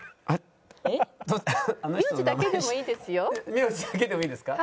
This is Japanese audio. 名字だけでもいいですか？